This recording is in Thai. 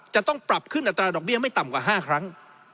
จะต้องปรับขึ้นอัตราดอกเบี้ยไม่ต่ำกว่า๕ครั้ง